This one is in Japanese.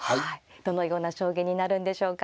どのような将棋になるんでしょうか。